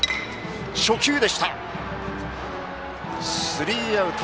スリーアウト。